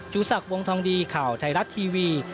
สักวงทองดีข่าวไทยรัฐทีวี